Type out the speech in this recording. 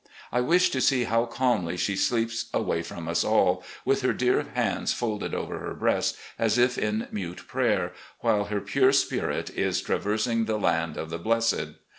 I wish to see how calmly she sleeps away from us all, with her dear hands folded over her breast as if in mute prayer, while her pure spirit is traversing the land of the blessed.